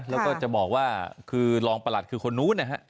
แล้วก็จะบอกว่าคือรองประหลัดคือคนนู้นนะฮะ